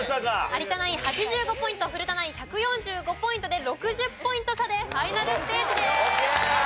有田ナイン８５ポイント古田ナイン１４５ポイントで６０ポイント差でファイナルステージです。